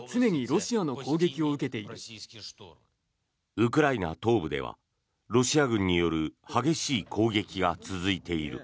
ウクライナ東部ではロシア軍による激しい攻撃が続いている。